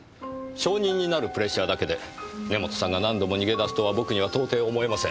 証人になるプレッシャーだけで根元さんが何度も逃げ出すとは僕には到底思えません。